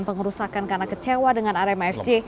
pengerusakan karena kecewa dengan rmfc